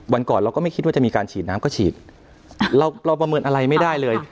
วันก่อนเราก็ไม่คิดว่าจะมีการฉีดน้ำก็ฉีดเราเราประเมินอะไรไม่ได้เลย